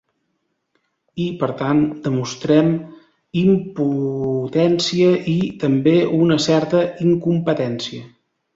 I, per tant, demostrem impotència i també una certa incompetència.